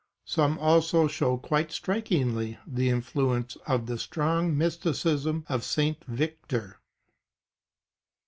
Some also show quite strikingly the influ ence of the strong mysticism of St. Victor.